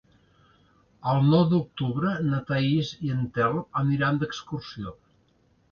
El nou d'octubre na Thaís i en Telm aniran d'excursió.